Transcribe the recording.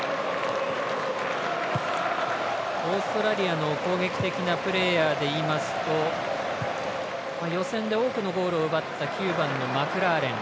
オーストラリアの攻撃的なプレーヤーでいいますと予選で多くのゴールを奪った９番のマクラーレン。